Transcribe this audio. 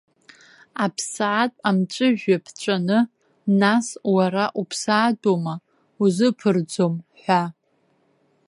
Аԥсаатә амҵәыжәҩа ԥҵәаны, нас уара уԥсаатәума, узыԥырӡом ҳәа.